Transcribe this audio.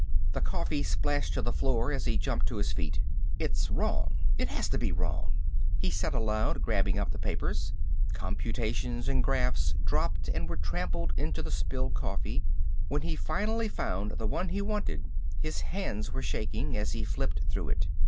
The coffee splashed to the floor as he jumped to his feet. "It's wrong ... it has to be wrong!" he said aloud, grabbing up the papers. Computations and graphs dropped and were trampled into the spilled coffee. When he finally found the one he wanted his hands were shaking as he flipped through it.